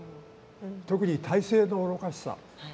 特に体制の愚かしさ。